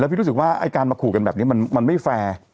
พี่รู้สึกว่าไอ้การมาขู่กันแบบนี้มันไม่แฟร์